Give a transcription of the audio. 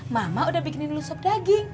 mama udah bikinin lu sup daging